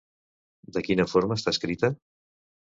De quina forma està escrita?